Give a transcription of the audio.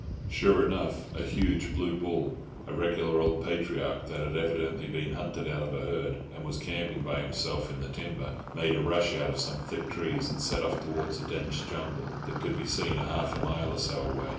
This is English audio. Sure enough, a huge blue bull—a regular old patriarch, that had evidently been hunted out of a herd, and was camping by himself in the timber—made a rush out of some thick trees, and set off towards a dense jungle, that could be seen half a mile or so away.